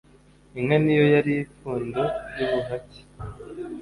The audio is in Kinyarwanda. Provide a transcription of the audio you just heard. Inka ni yo yari ipfundo ry'ubuhake.